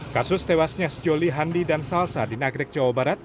kasus tewasnya sejoli handi dan salsa di nagrek jawa barat